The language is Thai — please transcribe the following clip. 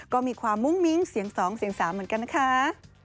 ก็มีความมุ้งมิ้งเสียง๒เสียง๓เหมือนกันนะคะ